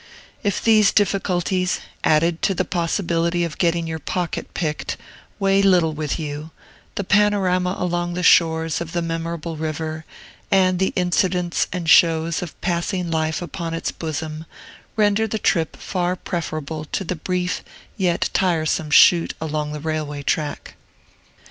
If these difficulties, added to the possibility of getting your pocket picked, weigh little with you, the panorama along the shores of the memorable river, and the incidents and shows of passing life upon its bosom, render the trip far preferable to the brief yet tiresome shoot along the railway track.